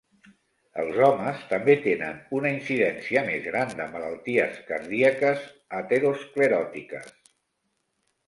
Els homes també tenen una incidència més gran de malalties cardíaques ateroscleròtiques.